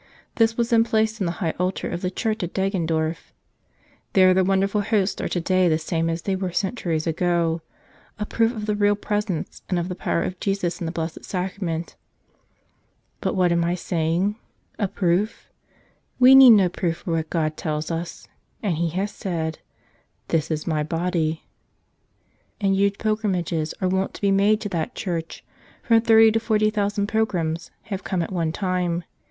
This was then placed in the High Altar of the church at Deggendorf. There the wonderful Hosts are today, the same as they were centuries ago, a proof of the Real Presence and of the power of Jesus in the Blessed Sacrament. But what am I saying? A proof? We need no proof for what God tells us ; and He has said, "This is My Body." And huge pilgrimages are wont to be made to that church; from thirty to forty thousand pilgrims have come at one time.